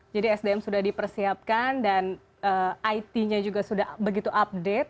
jadi sdm sudah dipersiapkan dan itnya juga sudah begitu update